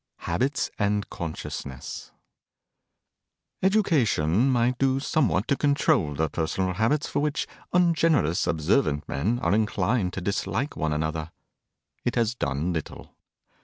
HABITS AND CONSCIOUSNESS Education might do somewhat to control the personal habits for which ungenerous observant men are inclined to dislike one another. It has done little.